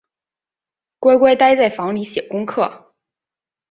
乖乖待在房里写功课